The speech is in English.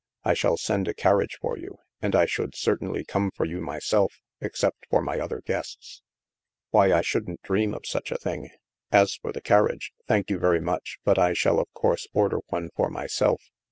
I shall send a carriage for you, and I should certainly come for you myself, except for my other guests." '* Why, I shouldn't dream of such a thing! As for the carriage, thank you very much, but I shall, of course, order one for myself.